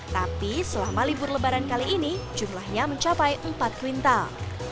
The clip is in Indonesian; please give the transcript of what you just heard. tapi selama libur lebaran kali ini jumlahnya mencapai empat kuintal